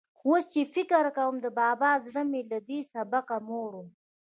اوس چې فکر کوم، د بابا زړه مې له دې سبقه موړ و.